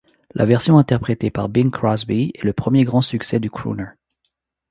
La version interprétée par Bing Crosby est le premier grand succès du crooner.